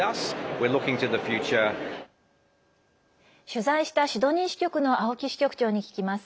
取材したシドニー支局の青木支局長に聞きます。